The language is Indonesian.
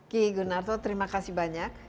ki igu narto terima kasih banyak